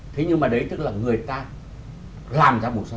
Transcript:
thế nhưng mà đấy tức là người ta làm ra mùa xuân